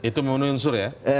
itu memenuhi unsur ya